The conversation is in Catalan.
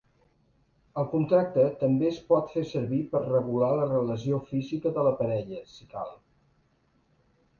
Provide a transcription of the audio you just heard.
El contracte també es pot fer servir per regular la relació física de la parella, si cal.